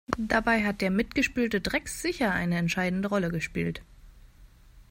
Dabei hat der mitgespülte Dreck sicher eine entscheidende Rolle gespielt.